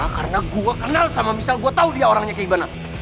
karena gue kenal sama michelle gue tau dia orangnya kayak gimana